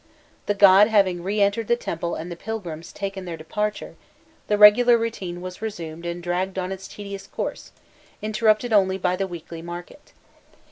The god having re entered the temple and the pilgrims taken their departure, the regular routine was resumed and dragged on its tedious course, interrupted only by the weekly market.